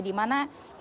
di mana ini terjadi